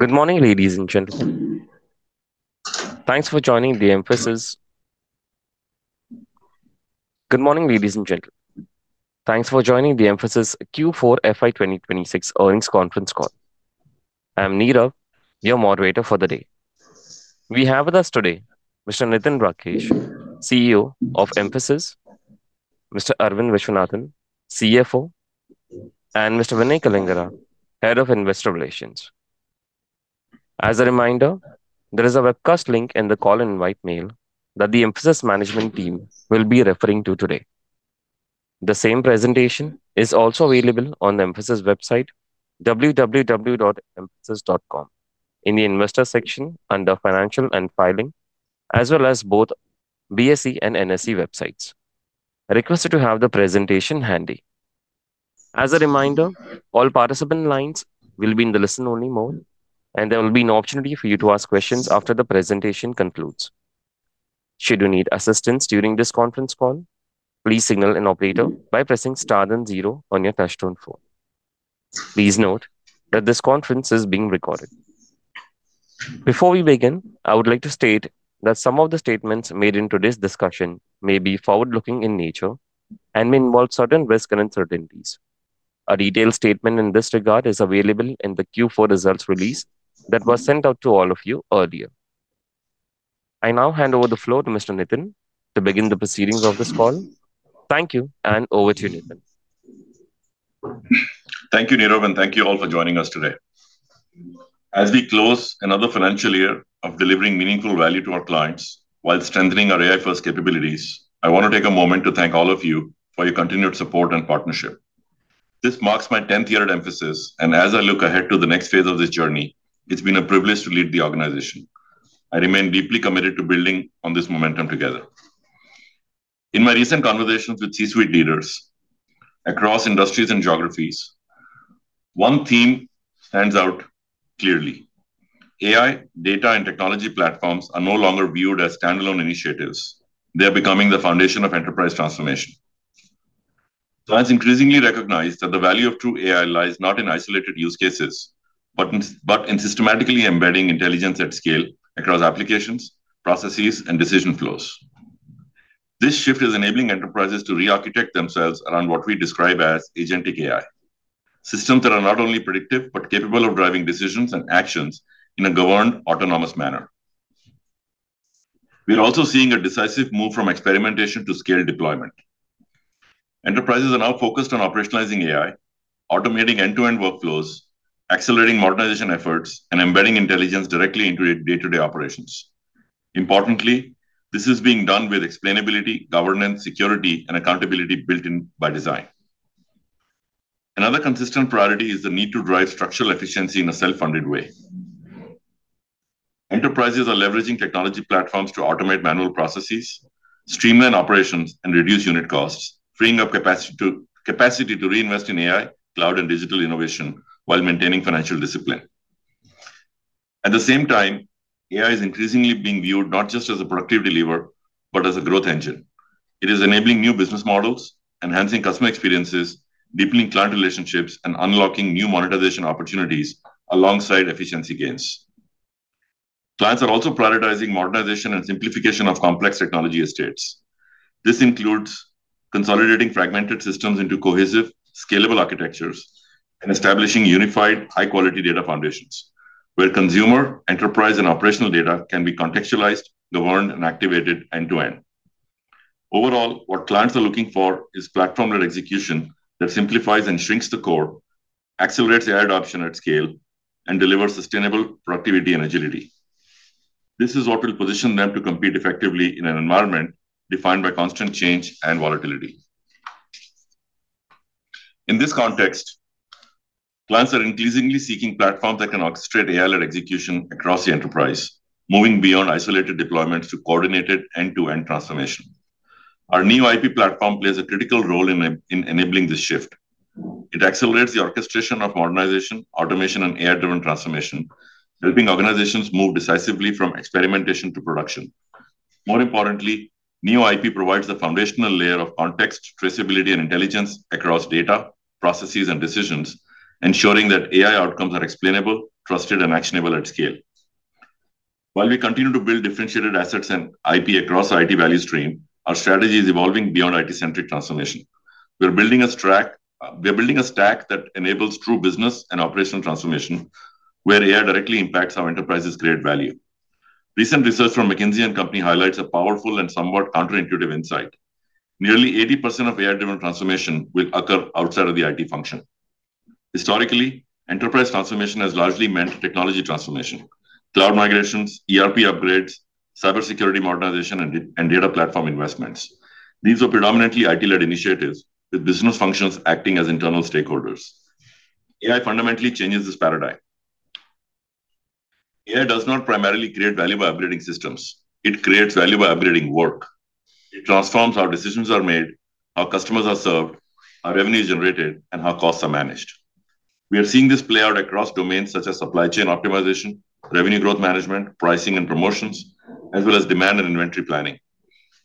Good morning, ladies and gentlemen. Thanks for joining the Mphasis Q4 FY 2026 earnings conference call. I am Nirav, your moderator for the day. We have with us today Mr. Nitin Rakesh, CEO of Mphasis, Mr. Aravind Viswanathan, CFO, and Mr. Vinay Kalingara, Head of Investor Relations. As a reminder, there is a webcast link in the call invite mail that the Mphasis management team will be referring to today. The same presentation is also available on the Mphasis website, www.mphasis.com, in the investor section under Financial and Filing, as well as both BSE and NSE websites. I request you to have the presentation handy. As a reminder, all participant lines will be in the listen-only mode, and there will be an opportunity for you to ask questions after the presentation concludes. Should you need assistance during this conference call, please signal an operator by pressing star and then zero in your touchtone phone. Please note that this conference is being recorded. Before we begin, I would like to state that some of the statements made in today's discussion may be forward-looking in nature and may involve certain risks and uncertainties. A detailed statement in this regard is available in the Q4 results release that was sent out to all of you earlier. I now hand over the floor to Mr. Nitin to begin the proceedings of this call. Thank you, and over to you, Nitin. Thank you, Nirav, and thank you all for joining us today. As we close another financial year of delivering meaningful value to our clients while strengthening our AI-first capabilities, I want to take a moment to thank all of you for your continued support and partnership. This marks my 10th year at Mphasis, and as I look ahead to the next phase of this journey, it's been a privilege to lead the organization. I remain deeply committed to building on this momentum together. In my recent conversations with C-suite leaders across industries and geographies, one theme stands out clearly. AI, data, and technology platforms are no longer viewed as standalone initiatives. They are becoming the foundation of enterprise transformation. Clients increasingly recognize that the value of true AI lies not in isolated use cases, but in systematically embedding intelligence at scale across applications, processes, and decision flows. This shift is enabling enterprises to re-architect themselves around what we describe as agentic AI. Systems that are not only predictive, but capable of driving decisions and actions in a governed, autonomous manner. We are also seeing a decisive move from experimentation to scale deployment. Enterprises are now focused on operationalizing AI, automating end-to-end workflows, accelerating modernization efforts, and embedding intelligence directly into day-to-day operations. Importantly, this is being done with explainability, governance, security, and accountability built in by design. Another consistent priority is the need to drive structural efficiency in a self-funded way. Enterprises are leveraging technology platforms to automate manual processes, streamline operations, and reduce unit costs, freeing up capacity to reinvest in AI, cloud, and digital innovation while maintaining financial discipline. At the same time, AI is increasingly being viewed not just as a productivity lever, but as a growth engine. It is enabling new business models, enhancing customer experiences, deepening client relationships, and unlocking new monetization opportunities alongside efficiency gains. Clients are also prioritizing modernization and simplification of complex technology estates. This includes consolidating fragmented systems into cohesive, scalable architectures and establishing unified high-quality data foundations where consumer, enterprise, and operational data can be contextualized, governed, and activated end to end. Overall, what clients are looking for is platform-led execution that simplifies and shrinks the core, accelerates AI adoption at scale, and delivers sustainable productivity and agility. This is what will position them to compete effectively in an environment defined by constant change and volatility. In this context, clients are increasingly seeking platforms that can orchestrate AI-led execution across the enterprise, moving beyond isolated deployments to coordinated end-to-end transformation. Our NeoIP platform plays a critical role in enabling this shift. It accelerates the orchestration of modernization, automation, and AI-driven transformation, helping organizations move decisively from experimentation to production. More importantly, NeoIP provides the foundational layer of context, traceability, and intelligence across data, processes, and decisions, ensuring that AI outcomes are explainable, trusted, and actionable at scale. While we continue to build differentiated assets and IP across our IT value stream, our strategy is evolving beyond IT-centric transformation. We are building a stack that enables true business and operational transformation where AI directly impacts how enterprises create value. Recent research from McKinsey & Company highlights a powerful and somewhat counterintuitive insight. Nearly 80% of AI-driven transformation will occur outside of the IT function. Historically, enterprise transformation has largely meant technology transformation. Cloud migrations, ERP upgrades, cybersecurity modernization, and data platform investments. These are predominantly IT-led initiatives, with business functions acting as internal stakeholders. AI fundamentally changes this paradigm. AI does not primarily create value by upgrading systems. It creates value by upgrading work. It transforms how decisions are made, how customers are served, how revenue is generated, and how costs are managed. We are seeing this play out across domains such as supply chain optimization, revenue growth management, pricing and promotions, as well as demand and inventory planning.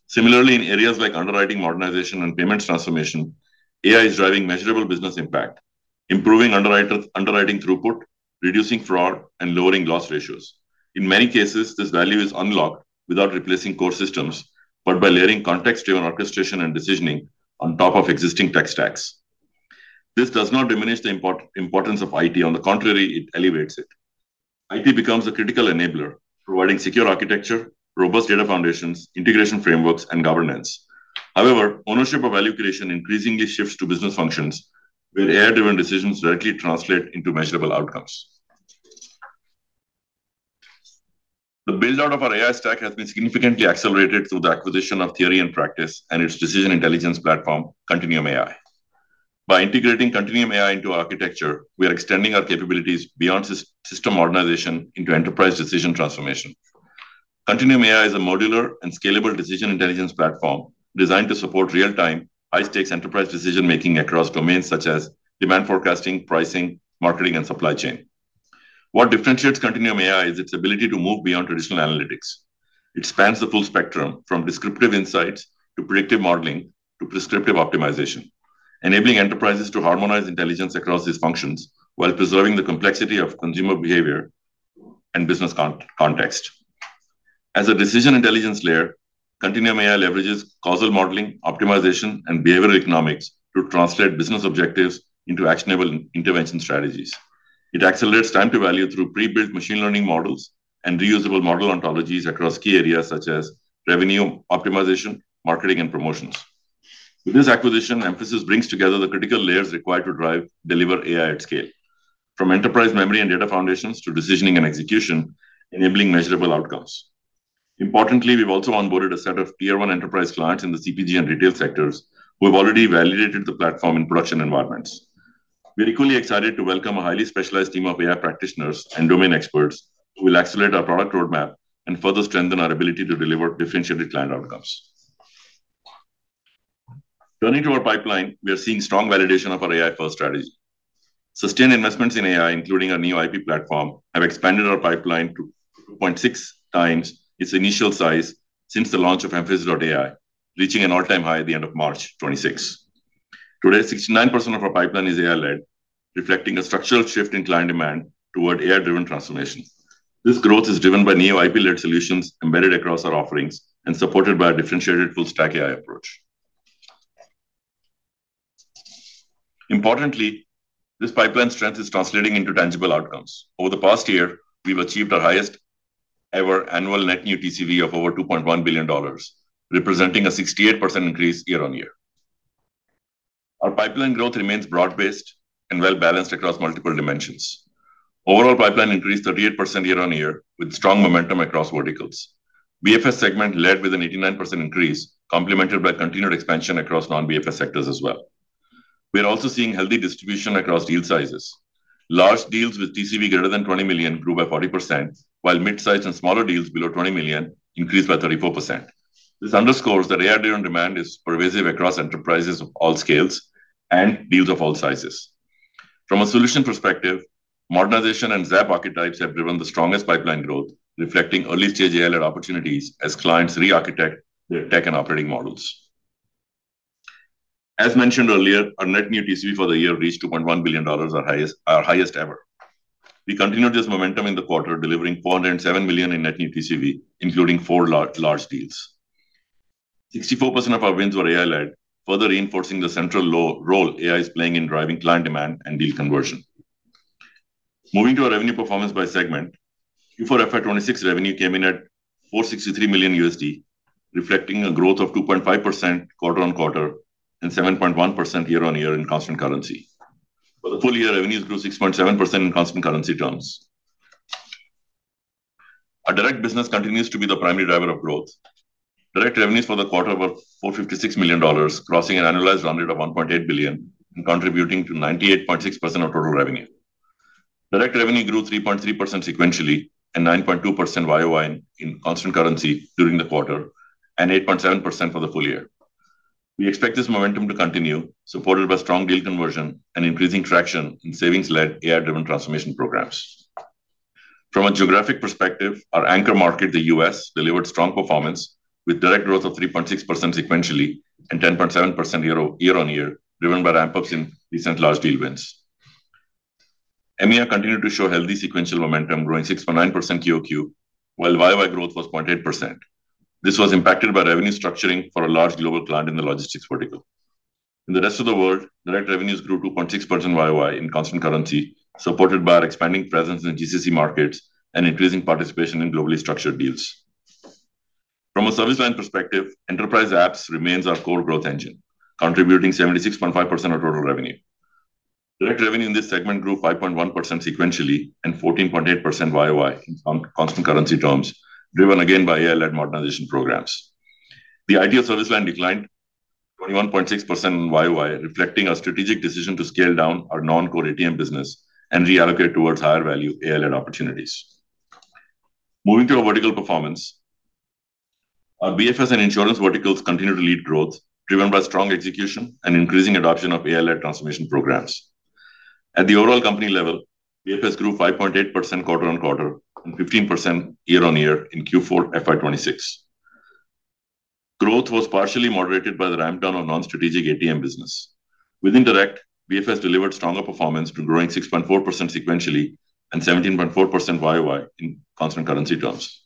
Similarly, in areas like underwriting modernization and payments transformation, AI is driving measurable business impact, improving underwriter-underwriting throughput, reducing fraud, and lowering loss ratios. In many cases, this value is unlocked without replacing core systems, but by layering context-driven orchestration and decisioning on top of existing tech stacks. This does not diminish the importance of IT. On the contrary, it elevates it. IT becomes a critical enabler, providing secure architecture, robust data foundations, integration frameworks, and governance. Ownership of value creation increasingly shifts to business functions, where AI-driven decisions directly translate into measurable outcomes. The build-out of our AI stack has been significantly accelerated through the acquisition of Theory and Practice, and its decision intelligence platform Continuum AI. By integrating Continuum AI into our architecture, we are extending our capabilities beyond system organization into enterprise decision transformation. Continuum AI is a modular and scalable decision intelligence platform designed to support real-time high-stakes enterprise decision-making across domains such as demand forecasting, pricing, marketing, and supply chain. What differentiates Continuum AI is its ability to move beyond traditional analytics. It spans the full spectrum from descriptive insights to predictive modeling to prescriptive optimization, enabling enterprises to harmonize intelligence across these functions while preserving the complexity of consumer behavior and business context. As a decision intelligence layer, Continuum AI leverages causal modeling, optimization, and behavioral economics to translate business objectives into actionable intervention strategies. It accelerates time to value through pre-built machine learning models and reusable model ontologies across key areas such as revenue optimization, marketing, and promotions. With this acquisition, Mphasis brings together the critical layers required to deliver AI at scale, from enterprise memory and data foundations to decisioning and execution, enabling measurable outcomes. Importantly, we've also onboarded a set of tier one enterprise clients in the CPG and retail sectors who have already validated the platform in production environments. We are equally excited to welcome a highly specialized team of AI practitioners and domain experts who will accelerate our product roadmap and further strengthen our ability to deliver differentiated client outcomes. Turning to our pipeline, we are seeing strong validation of our AI-first strategy. Sustained investments in AI, including our NeoIP platform, have expanded our pipeline to 2.6 times its initial size since the launch of Mphasis.ai, reaching an all-time high at the end of March 2026. Today, 69% of our pipeline is AI-led, reflecting a structural shift in client demand toward AI-driven transformation. This growth is driven by NeoIP-led solutions embedded across our offerings and supported by a differentiated full-stack AI approach. Importantly, this pipeline strength is translating into tangible outcomes. Over the past year, we've achieved our highest ever annual net new TCV of over $2.1 billion, representing a 68% increase year-on-year. Our pipeline growth remains broad-based and well-balanced across multiple dimensions. Overall pipeline increased 38% year-on-year with strong momentum across verticals. BFS segment led with an 89% increase, complemented by continued expansion across non-BFS sectors as well. We are also seeing healthy distribution across deal sizes. Large deals with TCV greater than $20 million grew by 40%, while mid-sized and smaller deals below $20 million increased by 34%. This underscores that AI-driven demand is pervasive across enterprises of all scales and deals of all sizes. From a solution perspective, modernization and ZAP archetypes have driven the strongest pipeline growth, reflecting early stage AI-led opportunities as clients re-architect their tech and operating models. As mentioned earlier, our net new TCV for the year reached $2.1 billion, our highest ever. We continued this momentum in the quarter, delivering $407 million in net new TCV, including four large deals. 64% of our wins were AI-led, further reinforcing the central role AI is playing in driving client demand and deal conversion. Moving to our revenue performance by segment. Q4 FY 2026 revenue came in at $463 million, reflecting a growth of 2.5% quarter-on-quarter and 7.1% year-on-year in constant currency. For the full year, revenues grew 6.7% in constant currency terms. Our direct business continues to be the primary driver of growth. Direct revenues for the quarter were $456 million, crossing an annualized run rate of $1.8 billion and contributing to 98.6% of total revenue. Direct revenue grew 3.3% sequentially and 9.2% YoY in constant currency during the quarter, and 8.7% for the full year. We expect this momentum to continue, supported by strong deal conversion and increasing traction in savings-led AI-driven transformation programs. From a geographic perspective, our anchor market, the U.S., delivered strong performance with direct growth of 3.6% sequentially and 10.7% year-on-year, driven by ramp-ups in recent large deal wins. EMEA continued to show healthy sequential momentum growing 6.9% QoQ, while YoY growth was 0.8%. This was impacted by revenue structuring for a large global client in the logistics vertical. In the rest of the world, direct revenues grew 2.6% YoY in constant currency, supported by our expanding presence in GCC markets and increasing participation in globally structured deals. From a service line perspective, enterprise apps remains our core growth engine, contributing 76.5% of total revenue. Direct revenue in this segment grew 5.1% sequentially and 14.8% YoY on constant currency terms, driven again by AI-led modernization programs. The ideal service line declined 21.6% YoY, reflecting our strategic decision to scale down our non-core ATM business and reallocate towards higher value AI-led opportunities. Moving to our vertical performance. Our BFS and insurance verticals continue to lead growth driven by strong execution and increasing adoption of AI-led transformation programs. At the overall company level, BFS grew 5.8% quarter-on-quarter and 15% year-on-year in Q4 FY 2026. Growth was partially moderated by the ramp-down of non-strategic ATM business. Within Direct, BFS delivered stronger performance to growing 6.4% sequentially and 17.4% YoY in constant currency terms.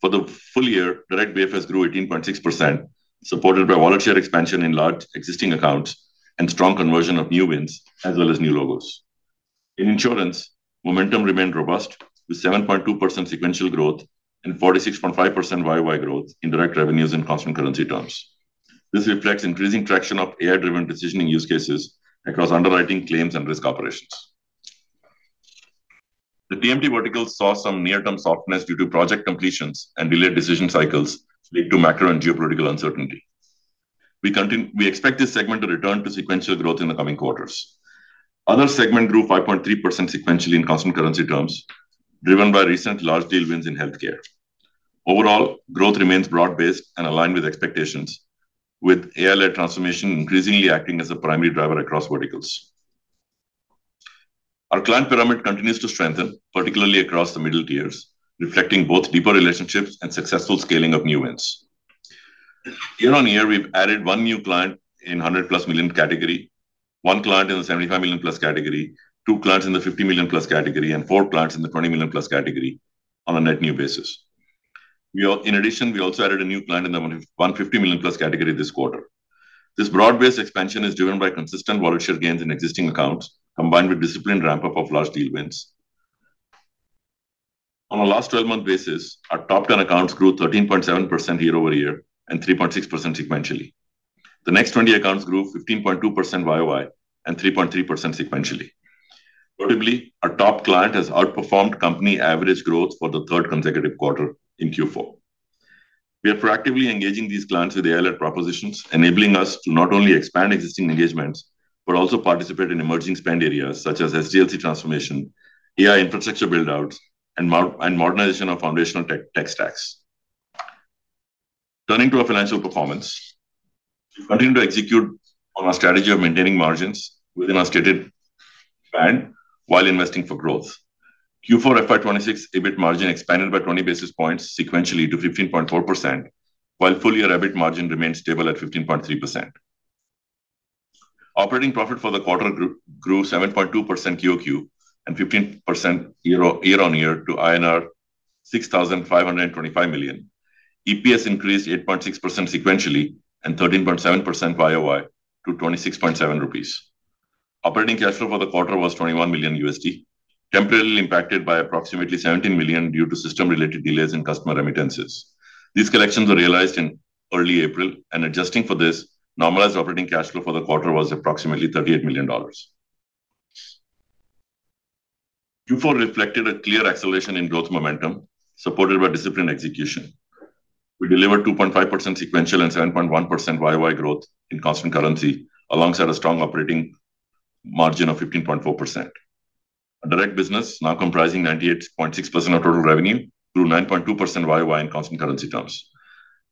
For the full year, Direct BFS grew 18.6%, supported by wallet share expansion in large existing accounts and strong conversion of new wins as well as new logos. In insurance, momentum remained robust with 7.2% sequential growth and 46.5% YoY growth in direct revenues in constant currency terms. This reflects increasing traction of AI-driven decisioning use cases across underwriting claims and risk operations. The TMT vertical saw some near-term softness due to project completions and delayed decision cycles linked to macro and geopolitical uncertainty. We expect this segment to return to sequential growth in the coming quarters. Other segment grew 5.3% sequentially in constant currency terms, driven by recent large deal wins in healthcare. Growth remains broad-based and aligned with expectations, with AI-led transformation increasingly acting as a primary driver across verticals. Our client pyramid continues to strengthen, particularly across the middle tiers, reflecting both deeper relationships and successful scaling of new wins. Year-on-year, we've added one new client in 100+ million category, one client in the 75+ million category, two clients in the 50+ million category, and four clients in the 20+ million category on a net new basis. In addition, we also added a new client in the 150+ million category this quarter. This broad-based expansion is driven by consistent wallet share gains in existing accounts, combined with disciplined ramp-up of large deal wins. On a last 12-month basis, our top 10 accounts grew 13.7% year-over-year and 3.6% sequentially. The next 20 accounts grew 15.2% YoY and 3.3% sequentially. Notably, our top client has outperformed company average growth for the third consecutive quarter in Q4. We are proactively engaging these clients with AI-led propositions, enabling us to not only expand existing engagements, but also participate in emerging spend areas such as SDLC transformation, AI infrastructure build-outs, and modernization of foundational tech stacks. Turning to our financial performance. We continue to execute on our strategy of maintaining margins within our stated band while investing for growth. Q4 FY 2026 EBIT margin expanded by 20 basis points sequentially to 15.4%, while full-year EBIT margin remained stable at 15.3%. Operating profit for the quarter grew 7.2% QoQ and 15% year-on-year to INR 6,525 million. EPS increased 8.6% sequentially and 13.7% YoY to 26.7 rupees. Operating cash flow for the quarter was $21 million, temporarily impacted by approximately $17 million due to system-related delays in customer remittances. These collections were realized in early April. Adjusting for this, normalized operating cash flow for the quarter was approximately $38 million. Q4 reflected a clear acceleration in growth momentum supported by disciplined execution. We delivered 2.5% sequential and 7.1% YoY growth in constant currency alongside a strong operating margin of 15.4%. Our Direct business, now comprising 98.6% of total revenue, grew 9.2% YoY in constant currency terms.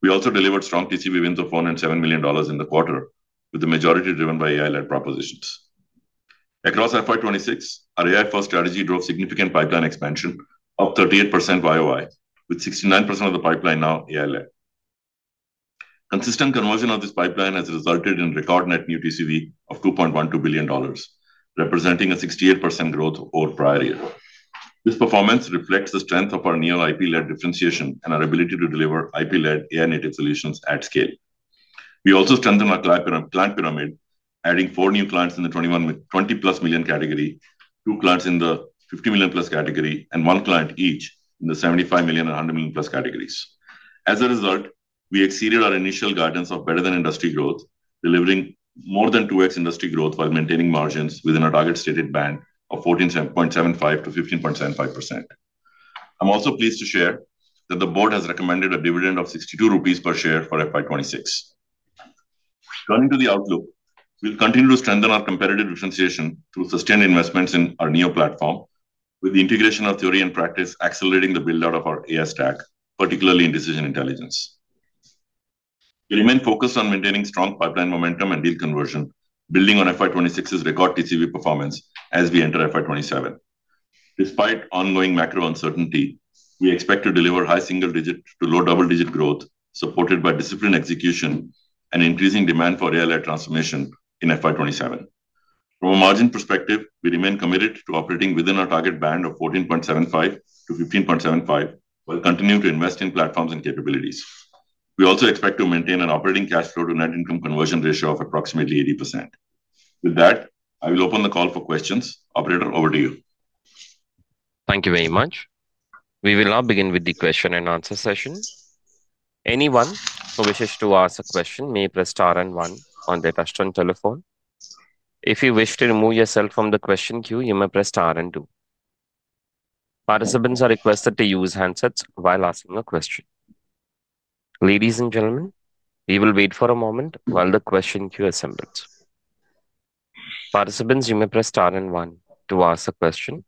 We also delivered strong TCV wins of $407 million in the quarter, with the majority driven by AI-led propositions. Across FY 2026, our AI-first strategy drove significant pipeline expansion of 38% YoY, with 69% of the pipeline now AI-led. Consistent conversion of this pipeline has resulted in record net new TCV of $2.12 billion, representing a 68% growth over prior year. This performance reflects the strength of our NeoIP-led differentiation and our ability to deliver IP-led AI-native solutions at scale. We also strengthened our client pyramid, adding four new clients in the 20+ million category, two clients in the 50+ million category, and one client each in the 75 million and 100+ million categories. We exceeded our initial guidance of better-than-industry growth, delivering more than 2x industry growth while maintaining margins within our target stated band of 14.75%-15.75%. I'm also pleased to share that the board has recommended a dividend of 62 rupees per share for FY 2026. Turning to the outlook, we'll continue to strengthen our competitive differentiation through sustained investments in our Neo platform with the integration of Theory and Practice accelerating the build-out of our AI stack, particularly in decision intelligence. We remain focused on maintaining strong pipeline momentum and deal conversion, building on FY 2026's record TCV performance as we enter FY 2027. Despite ongoing macro uncertainty, we expect to deliver high single-digit to low double-digit growth supported by disciplined execution and increasing demand for AI-led transformation in FY 2027. From a margin perspective, we remain committed to operating within our target band of 14.75%-15.75% while continuing to invest in platforms and capabilities. We also expect to maintain an operating cash flow to net income conversion ratio of approximately 80%. With that, I will open the call for questions. Operator, over to you. Thank you very much. We will now begin with the question and answer session. Anyone who wishes to ask a question may press star and one on their touch-tone telephone. If you wish to remove yourself from the question queue, you may press star and two. Participants are requested to use handsets while asking a question. Ladies and gentlemen, we will wait for a moment while the question queue assembles. Participants, you may press star and one to ask a question.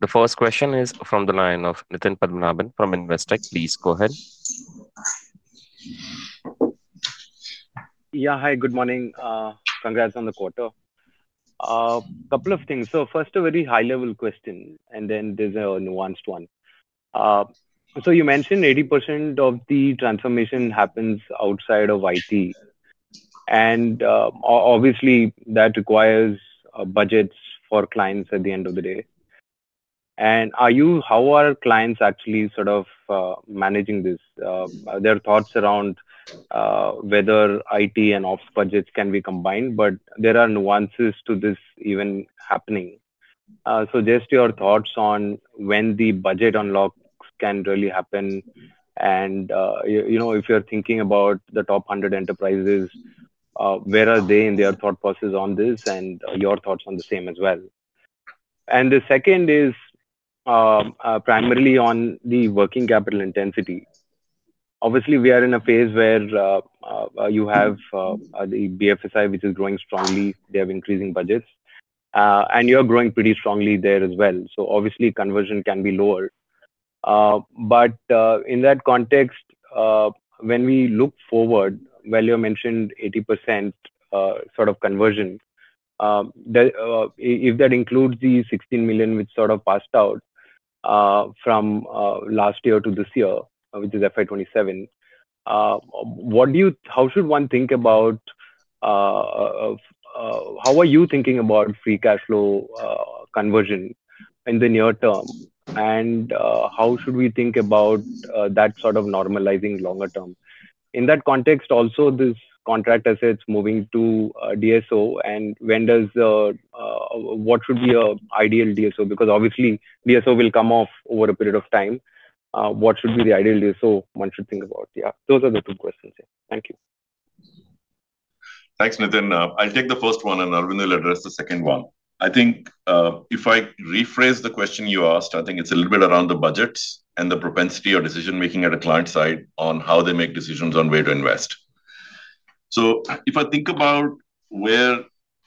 The first question is from the line of Nitin Padmanabhan from Investec. Please go ahead. Hi, good morning. Congrats on the quarter. Couple of things. First, a very high-level question, and then there's a nuanced one. You mentioned 80% of the transformation happens outside of IT, and obviously that requires budgets for clients at the end of the day. How are clients actually sort of managing this? Are there thoughts around whether IT and ops budgets can be combined, but there are nuances to this even happening. Just your thoughts on when the budget unlocks can really happen and you know, if you're thinking about the top 100 enterprises, where are they in their thought process on this, and your thoughts on the same as well. The second is primarily on the working capital intensity. Obviously, we are in a phase where you have the BFSI which is growing strongly. They have increasing budgets. You're growing pretty strongly there as well. Obviously conversion can be lower. In that context, when we look forward, while you mentioned 80% sort of conversion, if that includes the 16 million which sort of passed out from last year to this year, which is FY 2027, how should one think about how are you thinking about free cash flow conversion in the near term? How should we think about that sort of normalizing longer term? In that context also, this contract assets moving to DSO, and when does the what should be your ideal DSO? Because obviously, DSO will come off over a period of time. What should be the ideal DSO one should think about? Yeah, those are the two questions. Thank you. Thanks, Nitin. I'll take the first one, and Aravind will address the second one. I think, if I rephrase the question you asked, I think it's a little bit around the budgets and the propensity or decision-making at a client side on how they make decisions on where to invest. If I think about where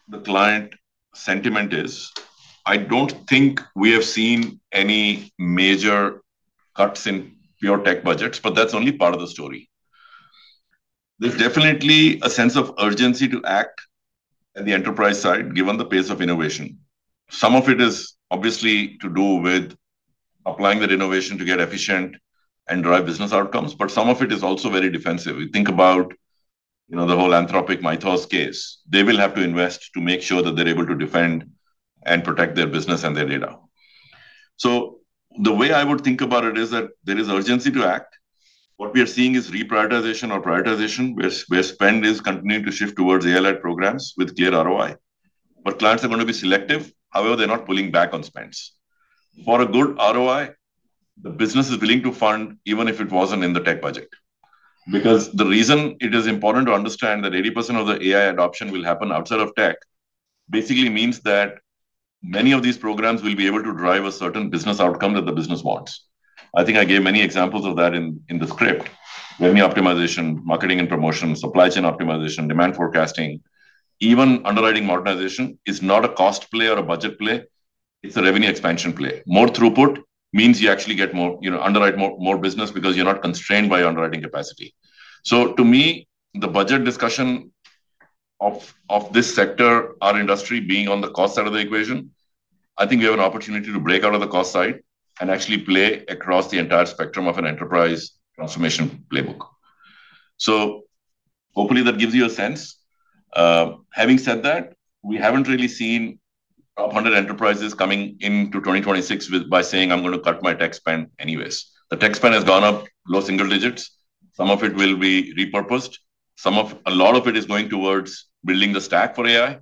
the client sentiment is, I don't think we have seen any major cuts in pure tech budgets, but that's only part of the story. There's definitely a sense of urgency to act at the enterprise side, given the pace of innovation. Some of it is obviously to do with applying that innovation to get efficient and drive business outcomes, but some of it is also very defensive. You think about, you know, the whole Claude Mythos case. They will have to invest to make sure that they're able to defend and protect their business and their data. The way I would think about it is that there is urgency to act. What we are seeing is reprioritization or prioritization, where spend is continuing to shift towards AI-led programs with clear ROI. Clients are going to be selective, however, they're not pulling back on spends. For a good ROI, the business is willing to fund even if it wasn't in the tech budget. The reason it is important to understand that 80% of the AI adoption will happen outside of tech basically means that many of these programs will be able to drive a certain business outcome that the business wants. I think I gave many examples of that in the script. Revenue optimization, marketing and promotion, supply chain optimization, demand forecasting. Even underwriting modernization is not a cost play or a budget play, it's a revenue expansion play. More throughput means you actually get more, you know, underwrite more business because you're not constrained by underwriting capacity. To me, the budget discussion of this sector, our industry being on the cost side of the equation, I think we have an opportunity to break out of the cost side and actually play across the entire spectrum of an enterprise transformation playbook. Hopefully that gives you a sense. Having said that, we haven't really seen 100 enterprises coming into 2026 with by saying, "I'm gonna cut my tech spend anyways." The tech spend has gone up low single digits. Some of it will be repurposed. A lot of it is going towards building the stack for AI.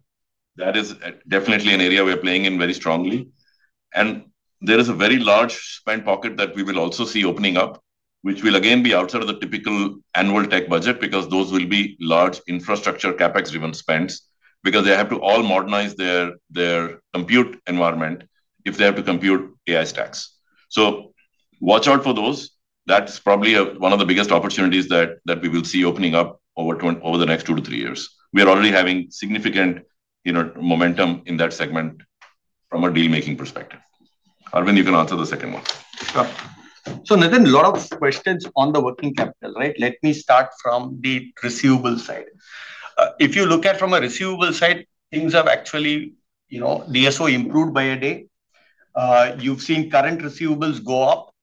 That is definitely an area we are playing in very strongly. There is a very large spend pocket that we will also see opening up, which will again be outside of the typical annual tech budget, because those will be large infrastructure CapEx-driven spends. They have to all modernize their compute environment if they have to compute AI stacks. Watch out for those. That's probably one of the biggest opportunities that we will see opening up over the next two to three years. We are already having significant, you know, momentum in that segment from a deal-making perspective. Aravind, you can answer the second one. Sure. Nitin, a lot of questions on the working capital, right? Let me start from the receivable side. If you look at from a receivable side, things have actually, you know, DSO improved by a day. You've seen current receivables go up,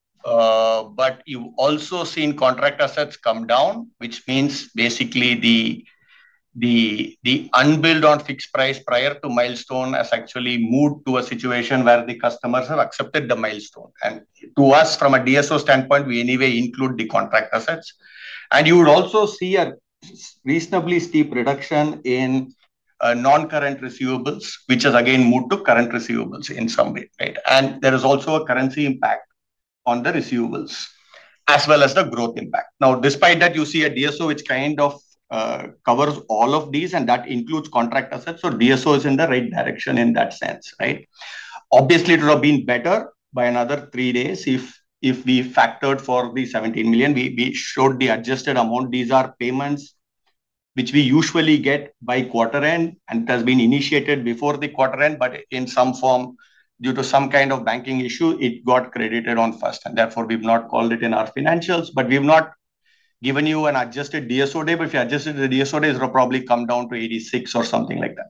but you've also seen contract assets come down, which means basically the unbilled on fixed price prior to milestone has actually moved to a situation where the customers have accepted the milestone. To us, from a DSO standpoint, we anyway include the contract assets. You would also see a reasonably steep reduction in non-current receivables, which has again moved to current receivables in some way, right? There is also a currency impact on the receivables, as well as the growth impact. Despite that, you see a DSO which kind of covers all of these, and that includes contract assets. DSO is in the right direction in that sense, right? Obviously, it would have been better by another three days if we factored for the 17 million. We showed the adjusted amount. These are payments. Which we usually get by quarter end, and it has been initiated before the quarter end, but in some form, due to some kind of banking issue, it got credited on first and therefore we've not called it in our financials. We've not given you an adjusted DSO day. If you adjusted the DSO days, it will probably come down to 86 or something like that.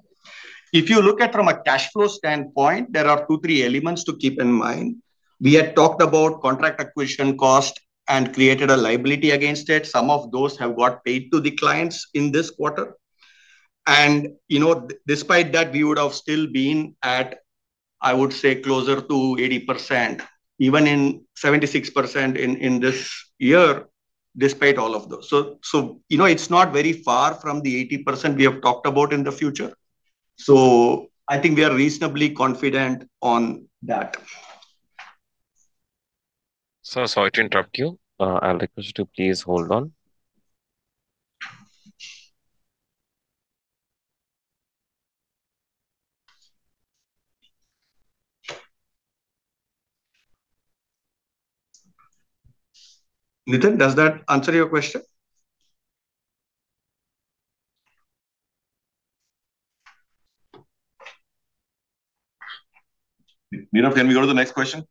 If you look at from a cash flow standpoint, there are two, three elements to keep in mind. We had talked about contract acquisition cost and created a liability against it. Some of those have got paid to the clients in this quarter. You know, despite that, we would have still been at, I would say, closer to 80%, even in 76% in this year, despite all of those. You know, it's not very far from the 80% we have talked about in the future. I think we are reasonably confident on that. Sir, sorry to interrupt you. I'll request you to please hold on. Nitin, does that answer your question? Nirav, can we go to the next question?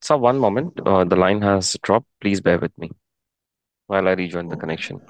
Sir, one moment. The line has dropped. Please bear with me while I rejoin the connection.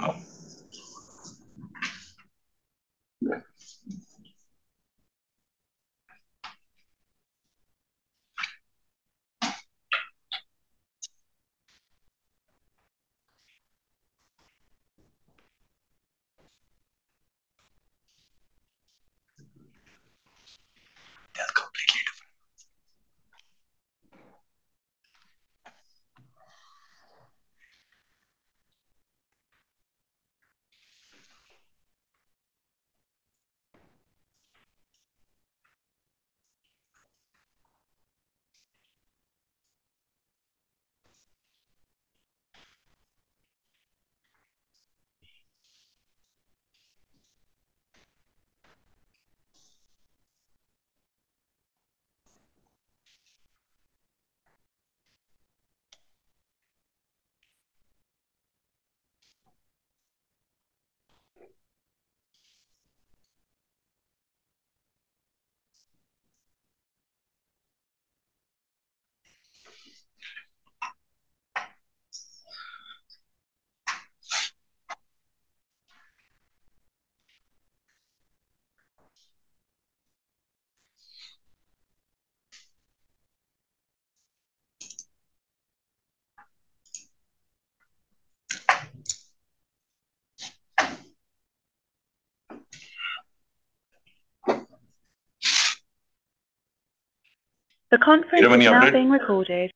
Yeah. That's completely different.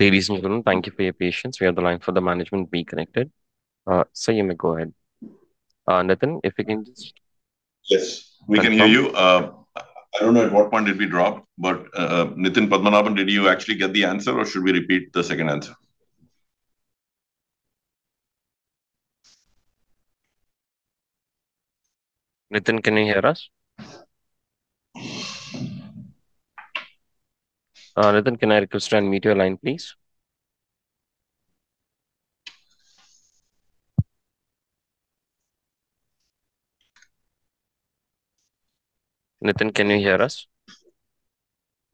Ladies and gentlemen, thank you for your patience. We have the line for the management reconnected. Sir, you may go ahead. Nitin, if you can just- Yes. Thank you. We can hear you. I don't know at what point did we drop, but Nitin Padmanabhan, did you actually get the answer or should we repeat the second answer? Nitin, can you hear us? Nitin, can I request you unmute your line, please? Nitin, can you hear us?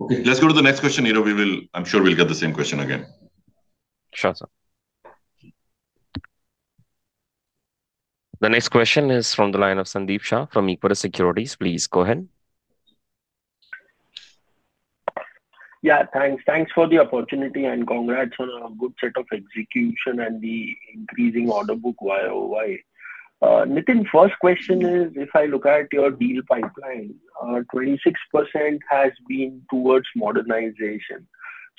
Okay, let's go to the next question, Nirav. I'm sure we'll get the same question again. Sure, sir. The next question is from the line of Sandeep Shah from Equirus Securities. Please go ahead. Yeah, thanks. Thanks for the opportunity, and congrats on a good set of execution and the increasing order book YoY. Nitin, first question is, if I look at your deal pipeline, 26% has been towards modernization.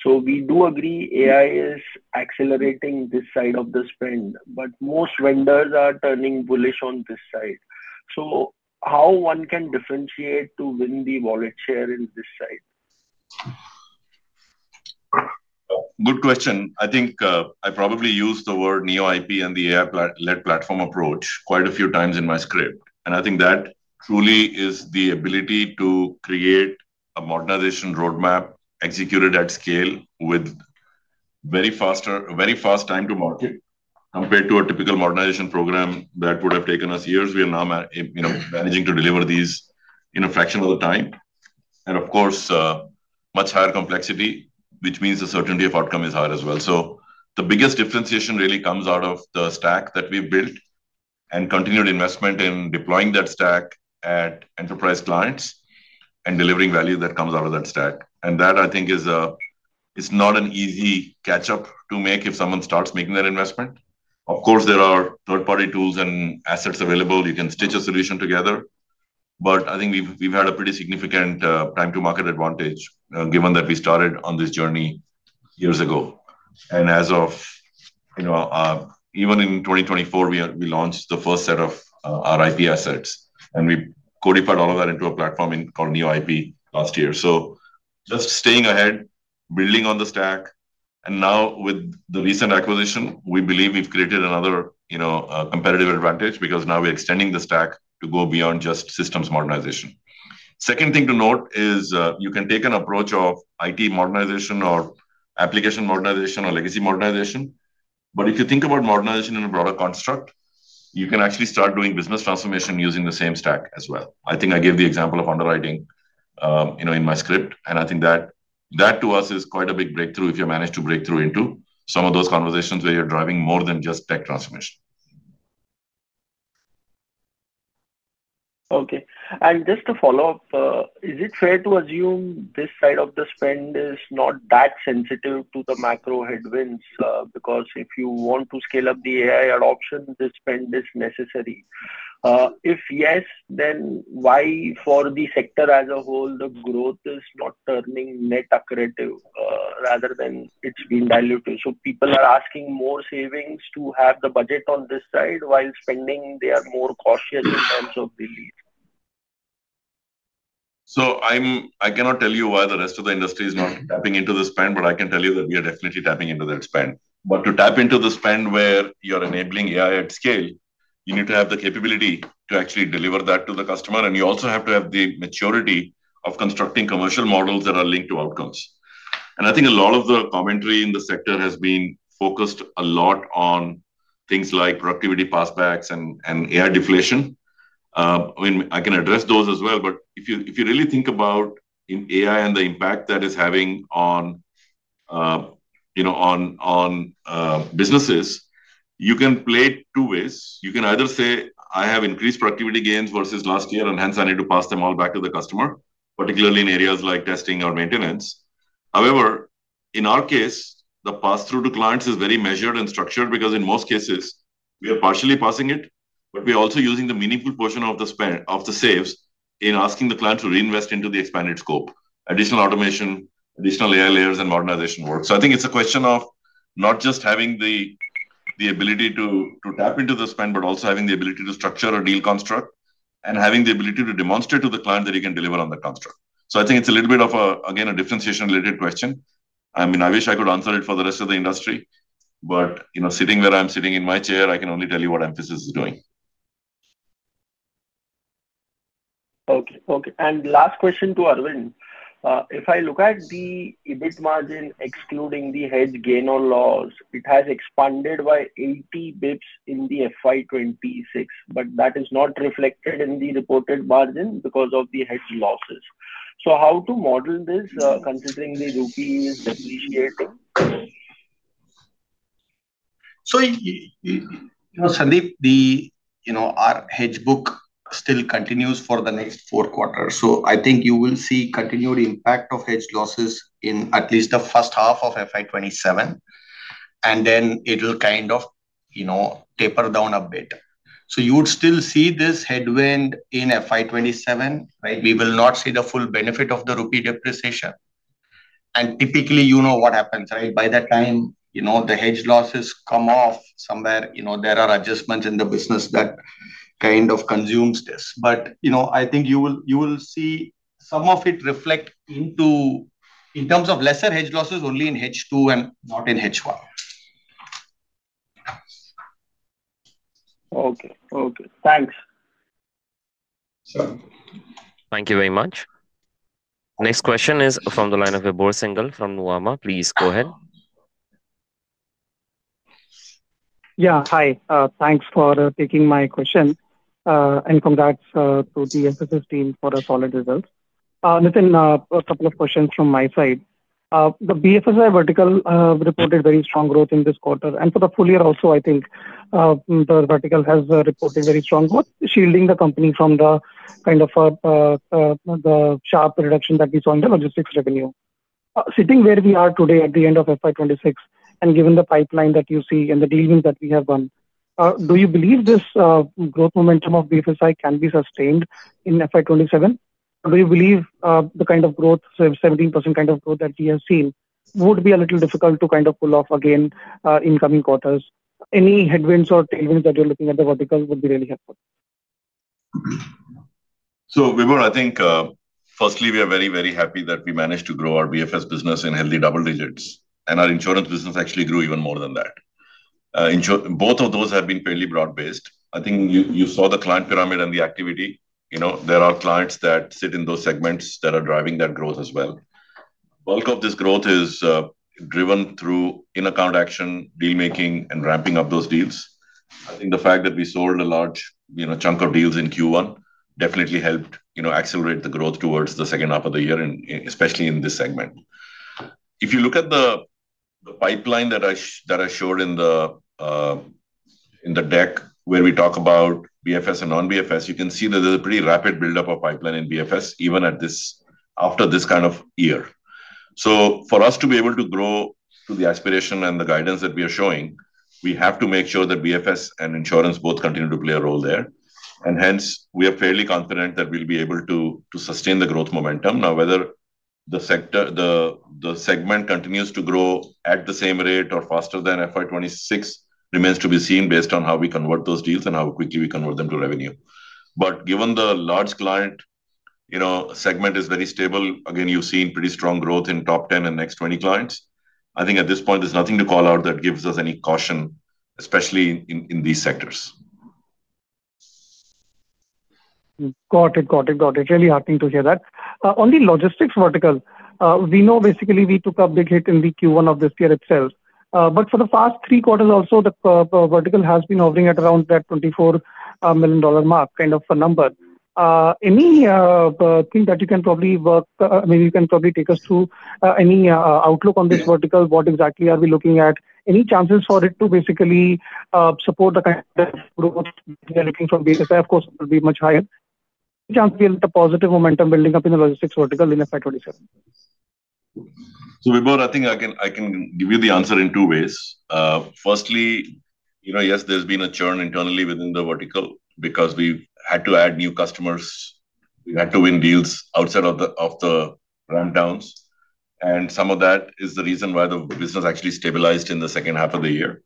We do agree AI is accelerating this side of the spend, but most vendors are turning bullish on this side. How one can differentiate to win the wallet share in this side? Good question. I think, I probably used the word NeoIP and the AI-led platform approach quite a few times in my script. I think that truly is the ability to create a modernization roadmap executed at scale with very fast time to market. Compared to a typical modernization program that would have taken us years, we are now you know, managing to deliver these in a fraction of the time. Of course, much higher complexity, which means the certainty of outcome is higher as well. The biggest differentiation really comes out of the stack that we've built and continued investment in deploying that stack at enterprise clients and delivering value that comes out of that stack. That, I think, is not an easy catch-up to make if someone starts making that investment. Of course, there are third-party tools and assets available. You can stitch a solution together. I think we've had a pretty significant time to market advantage, given that we started on this journey years ago. As of, you know, even in 2024, we launched the first set of our IP assets, and we codified all of that into a platform called NeoIP last year. Just staying ahead, building on the stack. Now with the recent acquisition, we believe we've created another, you know, competitive advantage because now we're extending the stack to go beyond just systems modernization. Second thing to note is, you can take an approach of IT modernization or application modernization or legacy modernization. If you think about modernization in a broader construct, you can actually start doing business transformation using the same stack as well. I think I gave the example of underwriting, you know, in my script, and I think that to us is quite a big breakthrough if you manage to break through into some of those conversations where you're driving more than just tech transformation. Okay. Just to follow up, is it fair to assume this side of the spend is not that sensitive to the macro headwinds, because if you want to scale up the AI adoption, the spend is necessary? If yes, why for the sector as a whole, the growth is not turning net accretive, rather than it's been dilutive. People are asking more savings to have the budget on this side, while spending they are more cautious in terms of the lead. I cannot tell you why the rest of the industry is not tapping into the spend, but I can tell you that we are definitely tapping into that spend. To tap into the spend where you're enabling AI at scale, you need to have the capability to actually deliver that to the customer, and you also have to have the maturity of constructing commercial models that are linked to outcomes. I think a lot of the commentary in the sector has been focused a lot on things like productivity pass backs and AI deflation. I mean, I can address those as well. If you really think about AI and the impact that is having on, you know, on businesses, you can play it two ways. You can either say, "I have increased productivity gains versus last year, hence I need to pass them all back to the customer," particularly in areas like testing or maintenance. However, in our case, the pass-through to clients is very measured and structured because in most cases, we are partially passing it, we're also using the meaningful portion of the saves in asking the client to reinvest into the expanded scope, additional automation, additional AI layers and modernization work. I think it's a question of not just having the ability to tap into the spend, but also having the ability to structure a deal construct and having the ability to demonstrate to the client that you can deliver on the construct. I think it's a little bit of a differentiation-related question. I mean, I wish I could answer it for the rest of the industry, but, you know, sitting where I'm sitting in my chair, I can only tell you what Mphasis is doing. Okay. Okay. Last question to Aravind. If I look at the EBIT margin excluding the hedge gain or loss, it has expanded by 80 basis points in FY 2026, that is not reflected in the reported margin because of the hedge losses. How to model this, considering the rupee is depreciating? You know, Sandeep, you know, our hedge book still continues for the next four quarters. I think you will see continued impact of hedge losses in at least the first half of FY 2027, and then it'll kind of, you know, taper down a bit. You would still see this headwind in FY 2027, right? We will not see the full benefit of the rupee depreciation. Typically, you know what happens, right? By that time, you know, the hedge losses come off somewhere. There are adjustments in the business that kind of consumes this. You know, I think you will see some of it reflect into, in terms of lesser hedge losses only in H2 and not in H1. Okay. Okay. Thanks. Sure. Thank you very much. Next question is from the line of Vibhor Singhal from Nuvama. Please go ahead. Yeah. Hi. Thanks for taking my question. Congrats to the Mphasis team for a solid result. Nitin, a couple of questions from my side. The BFSI vertical reported very strong growth in this quarter. For the full year also, I think, the vertical has reported very strong growth, shielding the company from the kind of the sharp reduction that we saw in the logistics revenue. Sitting where we are today at the end of FY 2026 and given the pipeline that you see and the dealings that we have done, do you believe this growth momentum of BFSI can be sustained in FY 2027? Do you believe, the kind of growth, 17% kind of growth that we have seen would be a little difficult to kind of pull off again, in coming quarters? Any headwinds or tailwinds that you're looking at the vertical would be really helpful. Vibhor, I think, firstly, we are very, very happy that we managed to grow our BFS business in healthy double digits, and our insurance business actually grew even more than that. Both of those have been fairly broad-based. I think you saw the client pyramid and the activity. You know, there are clients that sit in those segments that are driving that growth as well. Bulk of this growth is driven through in-account action, deal-making and ramping up those deals. I think the fact that we sold a large, you know, chunk of deals in Q1 definitely helped, you know, accelerate the growth towards the second half of the year and especially in this segment. If you look at the pipeline that I showed in the deck where we talk about BFS and non-BFS, you can see that there's a pretty rapid buildup of pipeline in BFS even after this kind of year. For us to be able to grow to the aspiration and the guidance that we are showing, we have to make sure that BFS and insurance both continue to play a role there. Hence, we are fairly confident that we'll be able to sustain the growth momentum. Whether the segment continues to grow at the same rate or faster than FY 2026 remains to be seen based on how we convert those deals and how quickly we convert them to revenue. Given the large client, you know, segment is very stable. You've seen pretty strong growth in top 10 and next 20 clients. I think at this point there's nothing to call out that gives us any caution, especially in these sectors. Got it. Got it. Got it. Really heartening to hear that. On the logistics vertical, we know basically we took a big hit in the Q1 of this year itself. For the past three quarters also the vertical has been hovering at around that $24 million mark kind of a number. Any thing that you can probably work, I mean, you can probably take us through, any outlook on this vertical? What exactly are we looking at? Any chances for it to basically support the kind of growth we are looking from BFSI? Of course, it will be much higher. Any chance we get a positive momentum building up in the logistics vertical in FY 2027? Vibhor, I think I can give you the answer in two ways. Firstly, you know, yes, there's been a churn internally within the vertical because we've had to add new customers. We had to win deals outside of the ramp downs, some of that is the reason why the business actually stabilized in the second half of the year.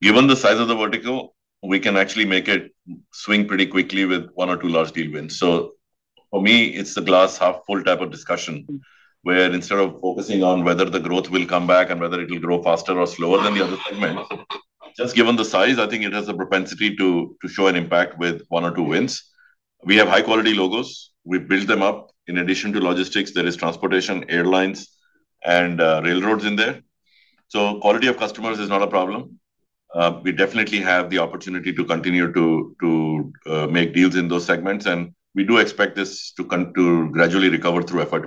Given the size of the vertical, we can actually make it swing pretty quickly with one or two large deal wins. For me, it's the glass half full type of discussion, where instead of focusing on whether the growth will come back and whether it'll grow faster or slower than the other segments, just given the size, I think it has a propensity to show an impact with one or two wins. We have high quality logos. We've built them up. In addition to logistics, there is transportation, airlines, and railroads in there. Quality of customers is not a problem. We definitely have the opportunity to continue to make deals in those segments, and we do expect this to gradually recover through FY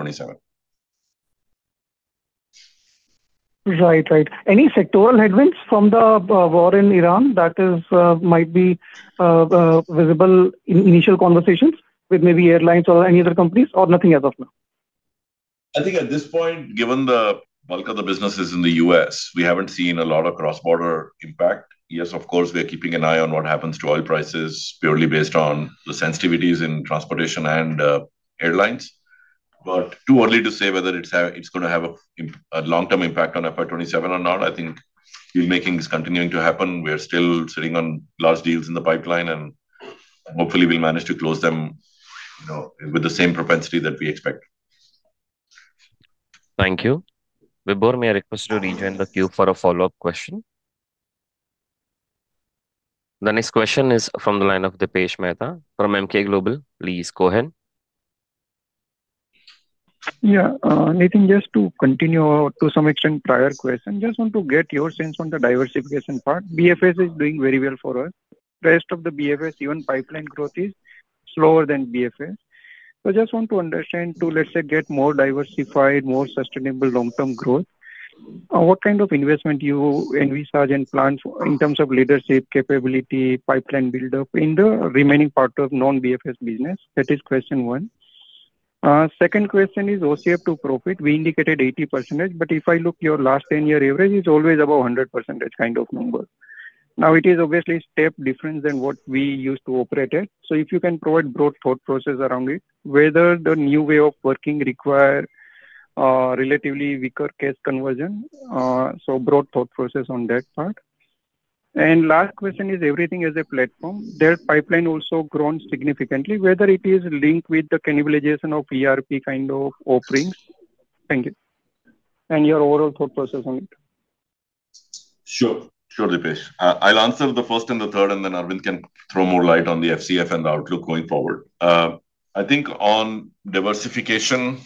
2027. Right. Any sectoral headwinds from the war in Iran that is might be visible in initial conversations with maybe airlines or any other companies or nothing as of now? I think at this point, given the bulk of the business is in the U.S., we haven't seen a lot of cross-border impact. Yes, of course, we are keeping an eye on what happens to oil prices purely based on the sensitivities in transportation and airlines. Too early to say whether it's gonna have a long-term impact on FY 2027 or not. I think deal making is continuing to happen. We are still sitting on large deals in the pipeline, hopefully we'll manage to close them, you know, with the same propensity that we expect. Thank you. Vibhor, may I request you to rejoin the queue for a follow-up question. The next question is from the line of Dipesh Mehta from Emkay Global. Please go ahead. Nitin, just to continue to some extent prior question. Just want to get your sense on the diversification part. BFS is doing very well for us. Rest of the BFS, even pipeline growth is slower than BFS. I just want to understand to, let's say, get more diversified, more sustainable long-term growth, what kind of investment you envisage and plan for in terms of leadership capability, pipeline buildup in the remaining part of non-BFS business? That is question one. Second question is OCF to profit. We indicated 80%, if I look your last 10-year average, it's always above a 100% kind of number. Now it is obviously step different than what we used to operate at. If you can provide broad thought process around it, whether the new way of working require relatively weaker case conversion. Broad thought process on that part. Last question is everything as a platform. That pipeline also grown significantly, whether it is linked with the cannibalization of ERP kind of offerings. Thank you. Your overall thought process on it. Sure. Sure, Dipesh. I'll answer the first and the third, and then Aravind can throw more light on the FCF and outlook going forward. I think on diversification,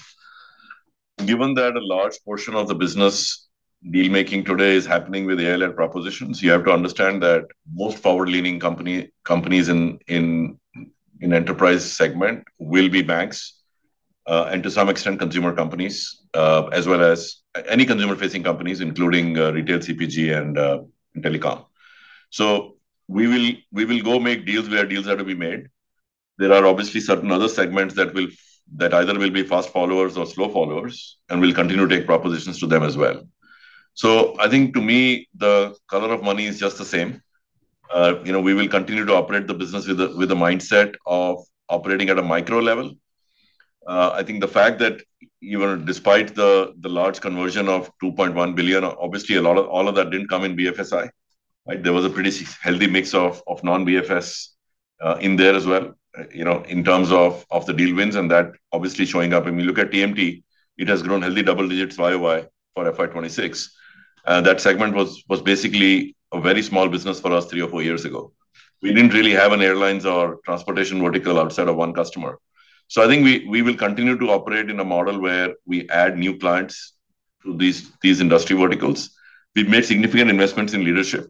given that a large portion of the business deal making today is happening with AI-led propositions, you have to understand that most forward-leaning company, companies in enterprise segment will be banks, and to some extent consumer companies, as well as any consumer facing companies, including retail CPG and telecom. We will go make deals where deals are to be made. There are obviously certain other segments that either will be fast followers or slow followers, and we'll continue to take propositions to them as well. I think to me, the color of money is just the same. You know, we will continue to operate the business with a mindset of operating at a micro level. I think the fact that even despite the large conversion of 2.1 billion, obviously all of that didn't come in BFSI, right? There was a pretty healthy mix of non-BFS in there as well, you know, in terms of the deal wins, and that obviously showing up. If you look at TMT, it has grown healthy double digits YoY for FY 2026. That segment was basically a very small business for us three or four years ago. We didn't really have an airlines or transportation vertical outside of one customer. I think we will continue to operate in a model where we add new clients to these industry verticals. We've made significant investments in leadership.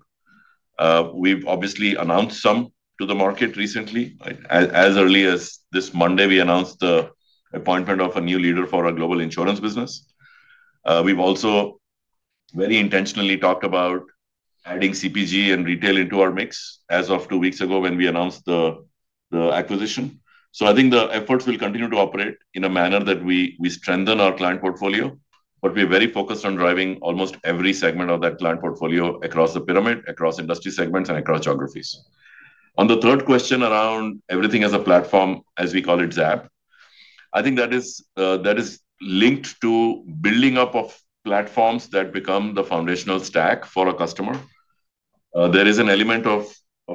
We've obviously announced some to the market recently. As early as this Monday, we announced the appointment of a new leader for our global insurance business. We've also very intentionally talked about adding CPG and retail into our mix as of two weeks ago when we announced the acquisition. I think the efforts will continue to operate in a manner that we strengthen our client portfolio, but we're very focused on driving almost every segment of that client portfolio across the pyramid, across industry segments, and across geographies. On the third question around everything as a platform, as we call it XaaP, I think that is linked to building up of platforms that become the foundational stack for a customer. There is an element of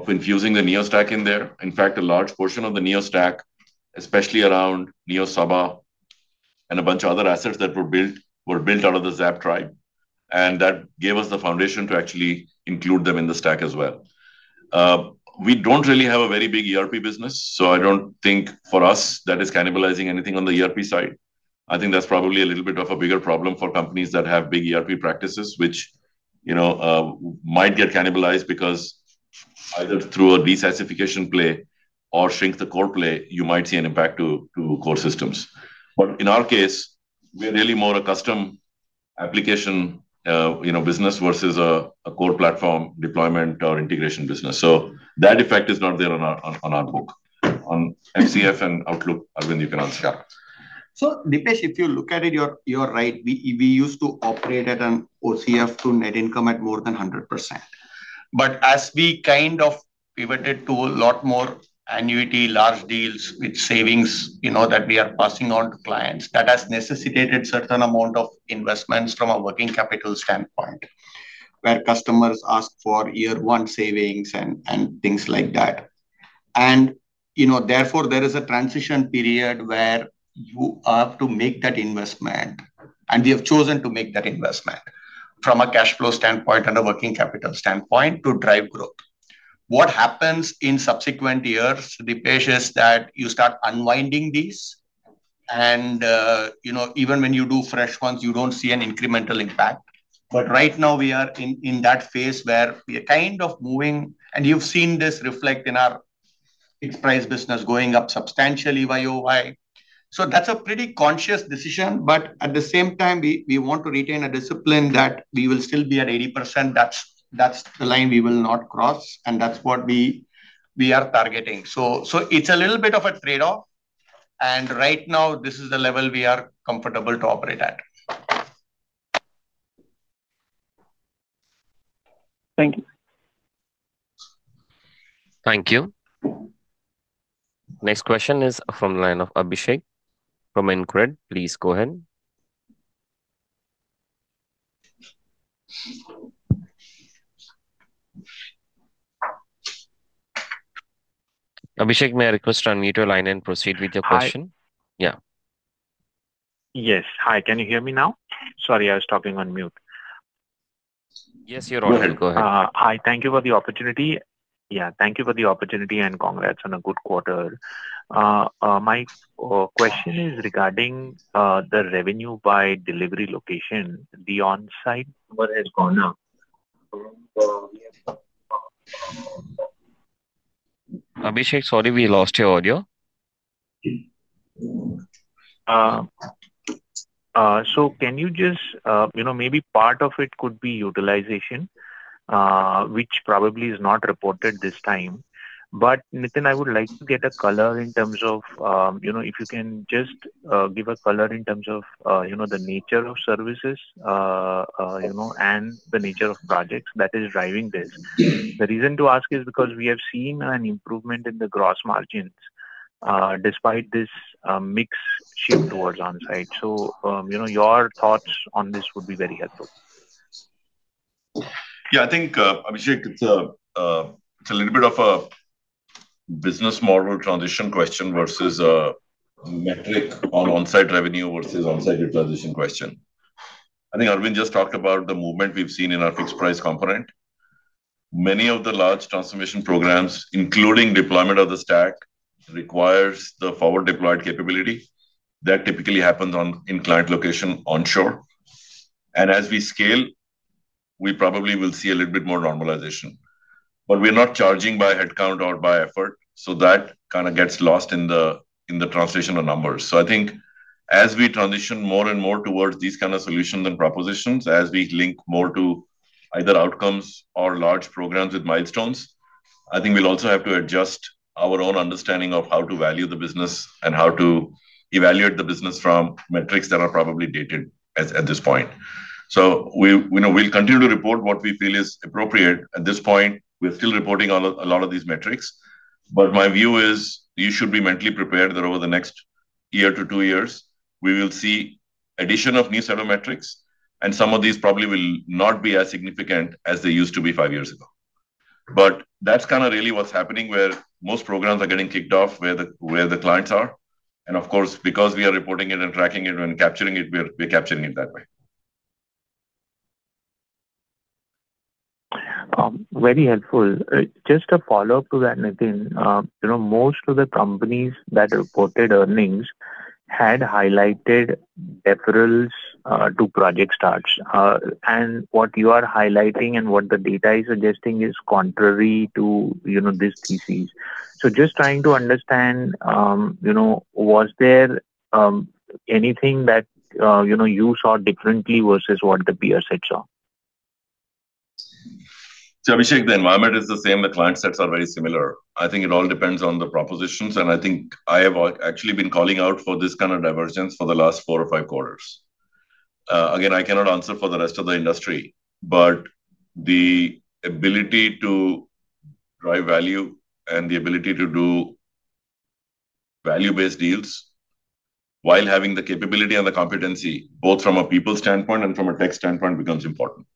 infusing the Neo stack in there. In fact, a large portion of the Neo stack, especially around NeoSaBa and a bunch of other assets that were built, were built out of the XaaP tribe. That gave us the foundation to actually include them in the stack as well. We don't really have a very big ERP business. I don't think for us that is cannibalizing anything on the ERP side. I think that's probably a little bit of a bigger problem for companies that have big ERP practices which, you know, might get cannibalized because either through a desacrification play or shrink the core play, you might see an impact to core systems. In our case, we're really more a custom application, you know, business versus a core platform deployment or integration business. That effect is not there on our book. On OCF and outlook, Aravind, you can answer that. Yeah. Dipesh, if you look at it, you're right. We used to operate at an OCF to net income at more than 100%. As we kind of pivoted to a lot more annuity large deals with savings, you know, that we are passing on to clients, that has necessitated certain amount of investments from a working capital standpoint, where customers ask for year one savings and things like that. You know, therefore, there is a transition period where you have to make that investment, and we have chosen to make that investment from a cash flow standpoint and a working capital standpoint to drive growth. What happens in subsequent years, Dipesh, is that you start unwinding these and, you know, even when you do fresh ones, you don't see an incremental impact. Right now we are in that phase where we are kind of moving. You've seen this reflect in our fixed price business going up substantially YoY. That's a pretty conscious decision. At the same time, we want to retain a discipline that we will still be at 80%. That's the line we will not cross, and that's what we are targeting. It's a little bit of a trade-off. Right now this is the level we are comfortable to operate at. Thank you. Thank you. Next question is from line of Abhishek from InCred. Please go ahead. Abhishek, may I request you unmute your line and proceed with your question? Hi. Yeah. Yes. Hi, can you hear me now? Sorry, I was talking on mute. Yes, you're on. Go ahead. Hi, thank you for the opportunity. Yeah. Thank you for the opportunity and congrats on a good quarter. My question is regarding the revenue by delivery location. The on-site number has gone up. Abhishek, sorry, we lost your audio. You know, maybe part of it could be utilization, which probably is not reported this time. Nitin, I would like to get a color in terms of, you know, if you can just give a color in terms of, you know, the nature of services, you know, and the nature of projects that is driving this. The reason to ask is because we have seen an improvement in the gross margins, despite this mix shift towards on-site. You know, your thoughts on this would be very helpful. Yeah. I think, Abhishek, it's a little bit of a business model transition question versus a metric on on-site revenue versus on-site utilization question. I think Aravind just talked about the movement we've seen in our fixed price component. Many of the large transformation programs, including deployment of the stack, requires the forward deployed capability. That typically happens on in-client location onshore. As we scale, we probably will see a little bit more normalization. We're not charging by head count or by effort, so that kinda gets lost in the translation of numbers. I think as we transition more and more towards these kind of solutions and propositions, as we link more to either outcomes or large programs with milestones, I think we'll also have to adjust our own understanding of how to value the business and how to evaluate the business from metrics that are probably dated at this point. We, you know, we'll continue to report what we feel is appropriate. At this point, we're still reporting on a lot of these metrics. My view is you should be mentally prepared that over the next one year to two years, we will see addition of new set of metrics, and some of these probably will not be as significant as they used to be five years ago. That's kind of really what's happening, where most programs are getting kicked off where the clients are. Of course, because we are reporting it and tracking it and capturing it, we're capturing it that way. Very helpful. Just a follow-up to that, Nitin. You know, most of the companies that reported earnings had highlighted deferrals to project starts. What you are highlighting and what the data is suggesting is contrary to, you know, this thesis. Just trying to understand, you know, was there anything that, you know, you saw differently versus what the peer set saw? Abhishek, the environment is the same. The client sets are very similar. I think it all depends on the propositions, and I think I have actually been calling out for this kind of divergence for the last four or five quarters. Again, I cannot answer for the rest of the industry, but the ability to drive value and the ability to do value-based deals while having the capability and the competency, both from a people standpoint and from a tech standpoint, becomes important.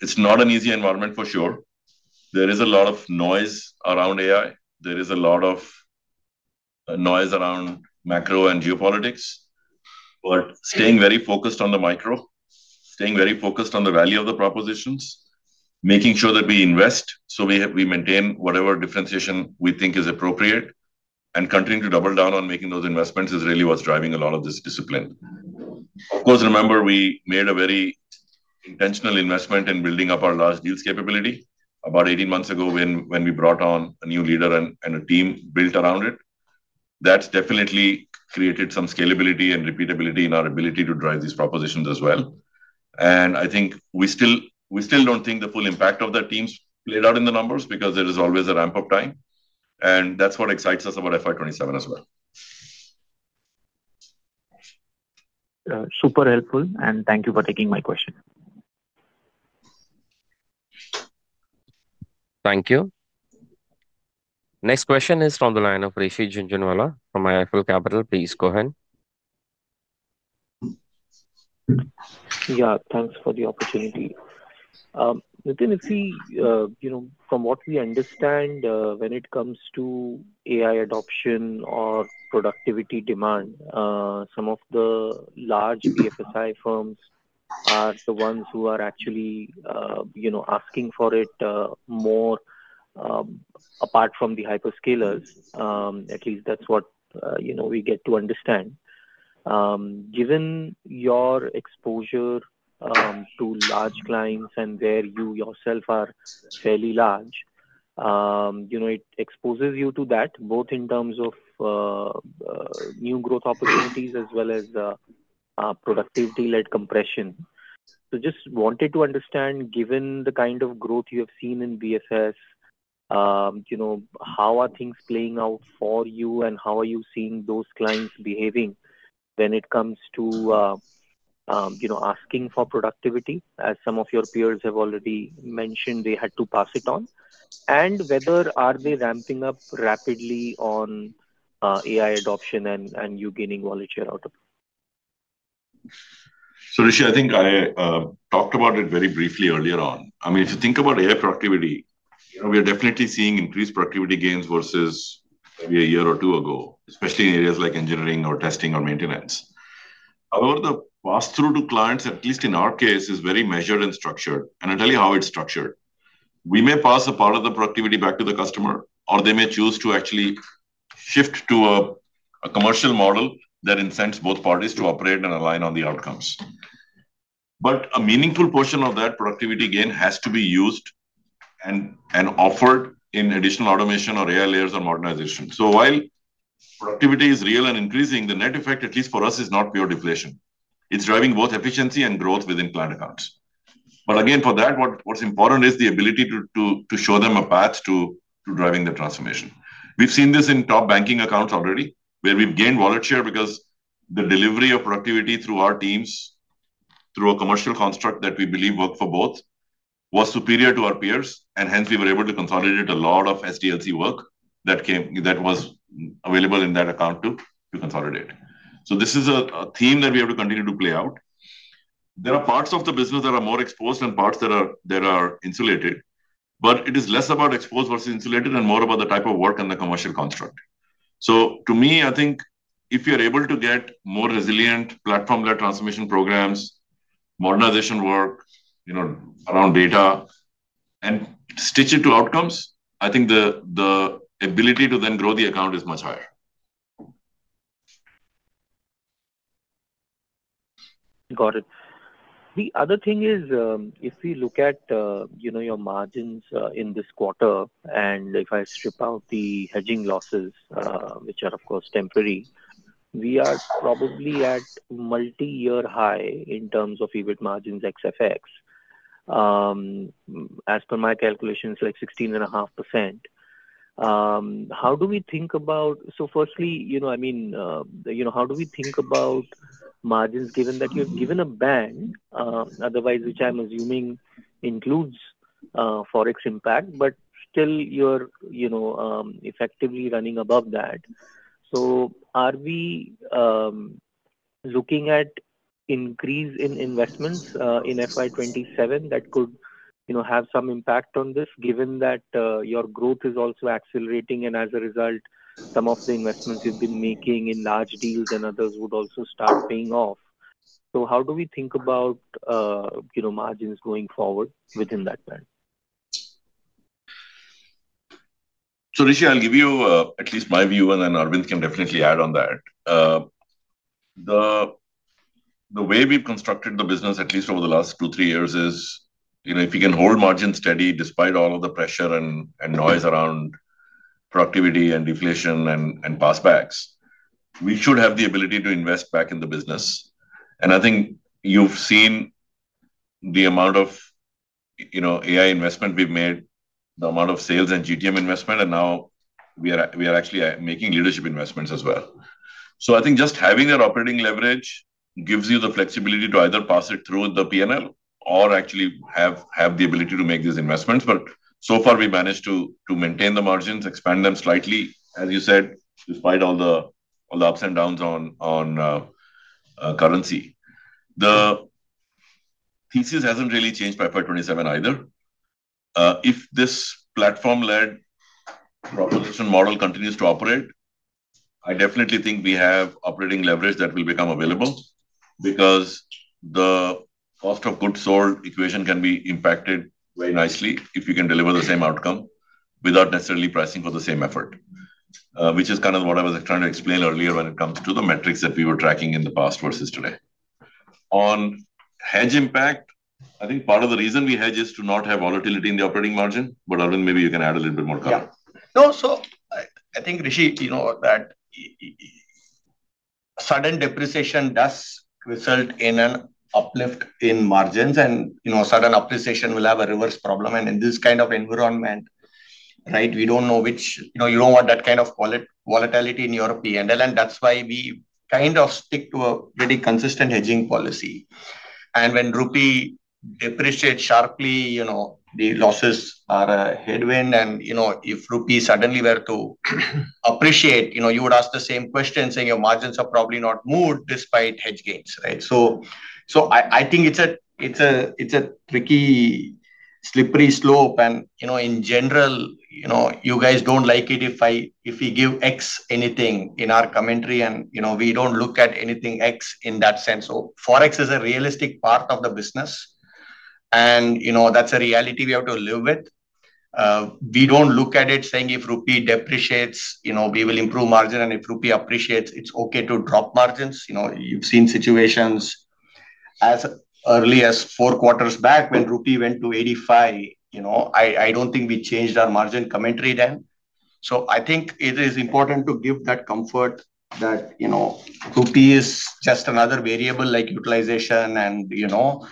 It's not an easy environment for sure. There is a lot of noise around AI. There is a lot of noise around macro and geopolitics. Staying very focused on the micro, staying very focused on the value of the propositions, making sure that we invest so we maintain whatever differentiation we think is appropriate, and continuing to double down on making those investments is really what's driving a lot of this discipline. Of course, remember we made a very intentional investment in building up our large deals capability about 18 months ago when we brought on a new leader and a team built around it. That's definitely created some scalability and repeatability in our ability to drive these propositions as well. I think we still don't think the full impact of that team's played out in the numbers because there is always a ramp-up time, and that's what excites us about FY 2027 as well. Super helpful, and thank you for taking my question. Thank you. Next question is from the line of Rishi Jhunjhunwala from IIFL Capital. Please go ahead. Yeah, thanks for the opportunity. Nitin, if we, you know, from what we understand, when it comes to AI adoption or productivity demand, some of the large BFSI firms are the ones who are actually, you know, asking for it more, apart from the hyperscalers. At least that's what, you know, we get to understand. Given your exposure to large clients and where you yourself are fairly large, you know, it exposes you to that both in terms of new growth opportunities as well as productivity-led compression. Just wanted to understand, given the kind of growth you have seen in BSS, you know, how are things playing out for you and how are you seeing those clients behaving when it comes to, you know, asking for productivity, as some of your peers have already mentioned they had to pass it on? Whether are they ramping up rapidly on AI adoption and you gaining wallet share out of it? Rishi, I think I talked about it very briefly earlier on. I mean, if you think about AI productivity, you know, we are definitely seeing increased productivity gains versus maybe a year or two ago, especially in areas like engineering or testing or maintenance. Although the pass-through to clients, at least in our case, is very measured and structured. I'll tell you how it's structured. We may pass a part of the productivity back to the customer, or they may choose to actually shift to a commercial model that incents both parties to operate and align on the outcomes. A meaningful portion of that productivity gain has to be used and offered in additional automation or AI layers on modernization. While productivity is real and increasing, the net effect, at least for us, is not pure deflation. It's driving both efficiency and growth within client accounts. Again, for that, what's important is the ability to show them a path to driving the transformation. We've seen this in top banking accounts already, where we've gained wallet share because the delivery of productivity through our teams, through a commercial construct that we believe worked for both, was superior to our peers, and hence we were able to consolidate a lot of SDLC work that was available in that account to consolidate. This is a theme that we have to continue to play out. There are parts of the business that are more exposed and parts that are insulated. It is less about exposed versus insulated and more about the type of work and the commercial construct. To me, I think if you're able to get more resilient platform-led transformation programs, modernization work, you know, around data, and stitch it to outcomes, I think the ability to then grow the account is much higher. Got it. The other thing is, if we look at, you know, your margins, in this quarter, and if I strip out the hedging losses, which are of course temporary, we are probably at multi-year high in terms of EBIT margins ex FX. As per my calculations, like 16.5%. Firstly, you know, I mean, you know, how do we think about margins given that you've given a band, otherwise which I'm assuming includes, Forex impact, but still you're, you know, effectively running above that? Are we looking at increase in investments in FY 2027 that could, you know, have some impact on this given that, your growth is also accelerating and as a result, some of the investments you've been making in large deals and others would also start paying off? How do we think about, you know, margins going forward within that bank? Rishi, I'll give you at least my view and then Aravind can definitely add on that. The way we've constructed the business, at least over the last two, three years is, you know, if you can hold margin steady despite all of the pressure and noise around productivity and deflation and pass backs, we should have the ability to invest back in the business. I think you've seen the amount of, you know, AI investment we've made, the amount of sales and GTM investment, and now we are actually making leadership investments as well. I think just having that operating leverage gives you the flexibility to either pass it through the P&L or actually have the ability to make these investments. So far we managed to maintain the margins, expand them slightly, as you said, despite all the ups and downs on currency. The thesis hasn't really changed by FY 2027 either. If this platform-led proposition model continues to operate, I definitely think we have operating leverage that will become available because the cost of goods sold equation can be impacted very nicely if you can deliver the same outcome without necessarily pricing for the same effort. Which is kind of what I was trying to explain earlier when it comes to the metrics that we were tracking in the past versus today. On hedge impact, I think part of the reason we hedge is to not have volatility in the operating margin, but, Aravind, maybe you can add a little bit more color. Yeah. No. I think, Rishi, you know that sudden depreciation does result in an uplift in margins and, you know, sudden appreciation will have a reverse problem. In this kind of environment, right, we don't know which. You know, you don't want that kind of volatility in your P&L, and that's why we kind of stick to a very consistent hedging policy. When rupee depreciate sharply, you know, the losses are a headwind and, you know, if rupee suddenly were to appreciate, you know, you would ask the same question saying your margins have probably not moved despite hedge gains, right? I think it's a tricky, slippery slope and, you know, in general, you know, you guys don't like it if we give X anything in our commentary and, you know, we don't look at anything X in that sense. Forex is a realistic part of the business and, you know, that's a reality we have to live with. We don't look at it saying, "If rupee depreciates, you know, we will improve margin, and if rupee appreciates, it's okay to drop margins." You know, you've seen situations as early as four quarters back when rupee went to 85, you know. I don't think we changed our margin commentary then. I think it is important to give that comfort that, you know, rupee is just another variable like utilization and, you know,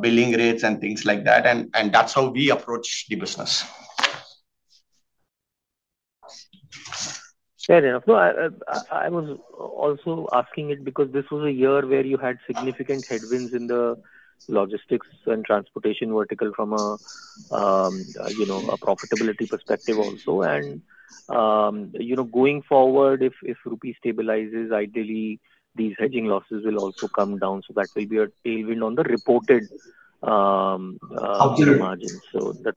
billing rates and things like that, and that's how we approach the business. Fair enough. No, I was also asking it because this was a year where you had significant headwinds in the logistics and transportation vertical from a, you know, a profitability perspective also. You know, going forward, if rupee stabilizes, ideally these hedging losses will also come down, so that will be a tailwind on the reported. Absolutely Margins.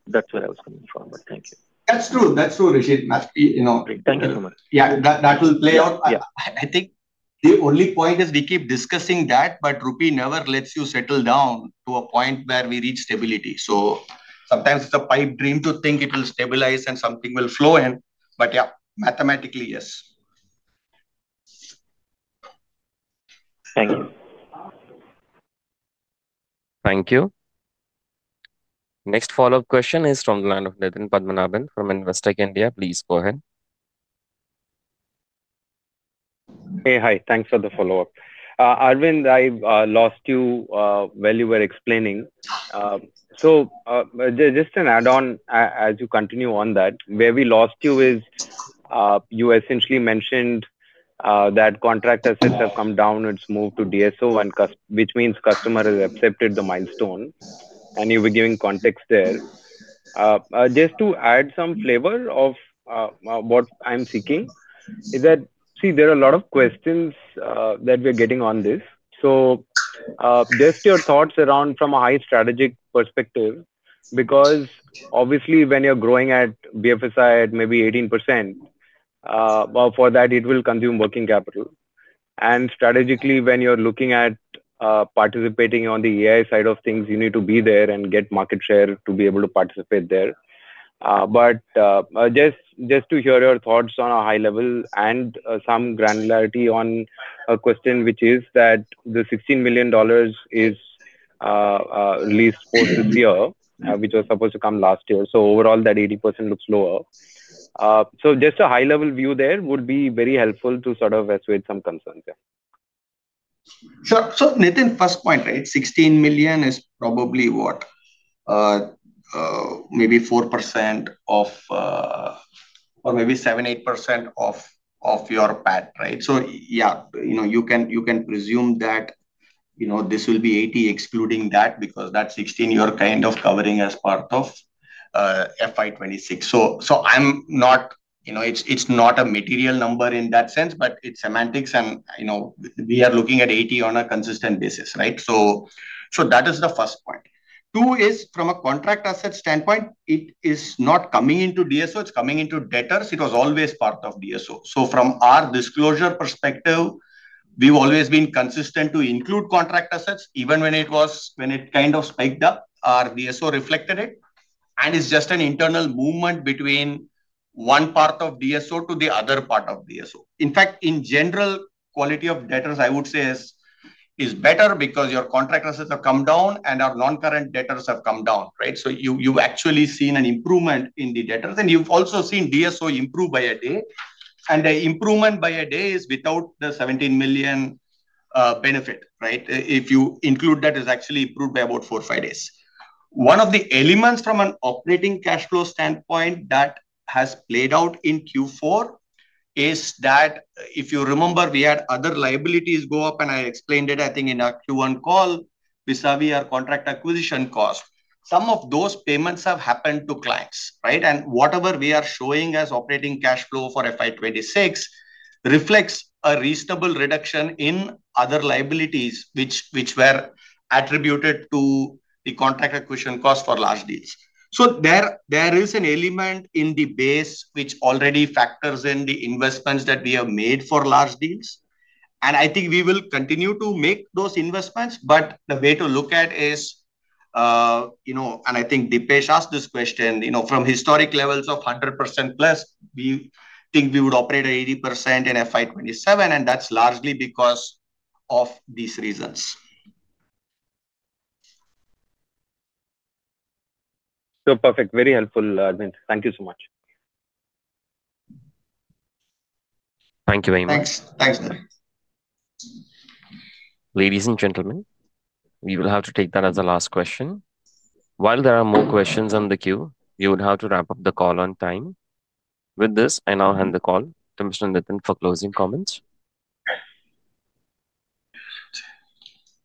That's where I was coming from. Thank you. That's true. That's true, Rishi. That's, you know. Thank you so much. Yeah. That will play out. Yeah. I think the only point is we keep discussing that, but rupee never lets you settle down to a point where we reach stability. Sometimes it's a pipe dream to think it will stabilize and something will flow in. Yeah, mathematically, yes. Thank you. Thank you. Next follow-up question is from the line of Nitin Padmanabhan from Investec India. Please go ahead. Hey. Hi. Thanks for the follow-up. Aravind, I lost you while you were explaining. Just an add-on as you continue on that. Where we lost you is, you essentially mentioned that contract assets have come down, it's moved to DSO and which means customer has accepted the milestone, and you were giving context there. Just to add some flavor of what I'm seeking is that, there are a lot of questions that we're getting on this. Just your thoughts around from a high strategic perspective, because obviously when you're growing at BFSI at maybe 18%, well, for that it will consume working capital. Strategically, when you're looking at, participating on the AI side of things, you need to be there and get market share to be able to participate there. Just to hear your thoughts on a high level and some granularity on a question which is that the $16 million is least supposed to be here. Mm-hmm Which was supposed to come last year. Overall, that 80% looks lower. Just a high level view there would be very helpful to sort of assuage some concerns. Nitin, first point, right? $16 million is probably what? Maybe 4% of or maybe 7%, 8% of your PAT, right? Yeah, you know, you can, you can presume that, you know, this will be 80 excluding that because that $16 million you're kind of covering as part of FY 2026. I'm not. You know, it's not a material number in that sense, but it's semantics and, you know, we are looking at 80 on a consistent basis, right? That is the first point. Two is from a contract asset standpoint, it is not coming into DSO, it's coming into debtors. It was always part of DSO. From our disclosure perspective, we've always been consistent to include contract assets, even when it kind of spiked up, our DSO reflected it. It's just an internal movement between one part of DSO to the other part of DSO. In fact, in general, quality of debtors, I would say is better because your contract assets have come down and our non-current debtors have come down, right? You've actually seen an improvement in the debtors, and you've also seen DSO improve by a day. The improvement by a day is without the 17 million benefit, right? If you include that, it's actually improved by about four or five days. One of the elements from an operating cash flow standpoint that has played out in Q4 is that if you remember we had other liabilities go up, and I explained it I think in our Q1 call vis-a-vis our contract acquisition cost. Some of those payments have happened to clients, right? Whatever we are showing as operating cash flow for FY 2026 reflects a reasonable reduction in other liabilities which were attributed to the contract acquisition cost for large deals. There is an element in the base which already factors in the investments that we have made for large deals, and I think we will continue to make those investments. The way to look at is, you know, and I think Dipesh asked this question, you know, from historic levels of 100%+ we think we would operate at 80% in FY 2027, and that's largely because of these reasons. Perfect. Very helpful, Aravind. Thank you so much. Thank you very much. Thanks. Thanks, Nirav. Ladies and gentlemen, we will have to take that as the last question. While there are more questions on the queue, we would have to wrap up the call on time. With this, I now hand the call to Mr. Nitin for closing comments.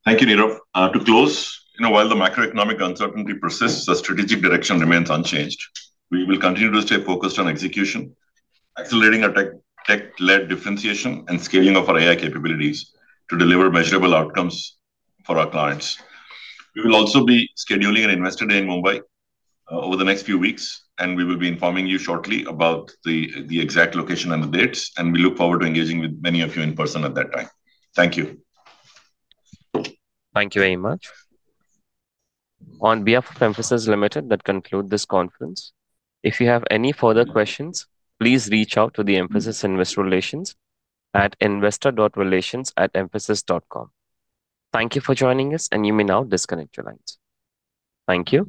Thank you, Nirav. To close, you know, while the macroeconomic uncertainty persists, the strategic direction remains unchanged. We will continue to stay focused on execution, accelerating our tech-led differentiation and scaling of our AI capabilities to deliver measurable outcomes for our clients. We will also be scheduling an investor day in Mumbai over the next few weeks, and we will be informing you shortly about the exact location and the dates, and we look forward to engaging with many of you in person at that time. Thank you. Thank you very much. On behalf of Mphasis Limited, that conclude this conference. If you have any further questions, please reach out to the Mphasis Investor Relations at investor.relations@mphasis.com. Thank you for joining us. You may now disconnect your lines. Thank you.